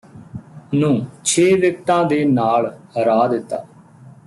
ਨੂੰ ਛੇ ਵਿਕਟਾਂ ਦੇ ਨਾਲ ਹਰਾ ਦਿੱਤਾ